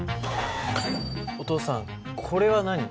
お父さんこれは何？